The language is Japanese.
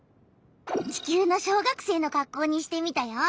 地球の小学生のかっこうにしてみたよ。